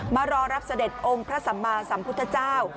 มารอรับเสด็จองค์พระสัมมาสัมพุทธเจ้า